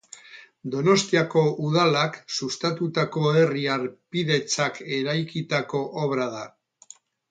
Donostiako Udalak sustatutako herri-harpidetzak eraikitako obra da.